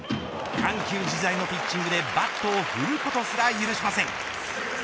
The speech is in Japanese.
緩急自在のピッチングでバットを振ることすら許しません。